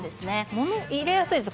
物が入れやすいです。